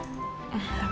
mbak yang benar